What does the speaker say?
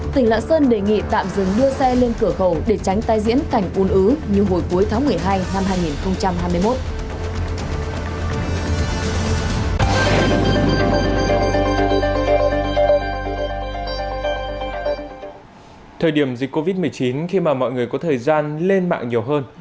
tỉnh lạng sơn đề nghị tạm dừng đưa xe lên cửa khẩu để tránh tai diễn cảnh un ứ như hồi cuối tháng một mươi hai năm hai nghìn hai mươi một